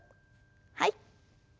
はい。